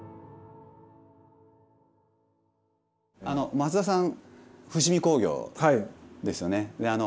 あの松田さん伏見工業ですよね。